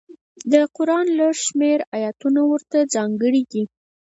د قران لږ شمېر ایتونه ورته ځانګړي دي.